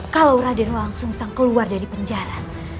kalau raden wolang sungsang keluar dari penjara